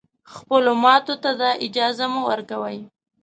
خپلو ماتو ته دا اجازه مه ورکوی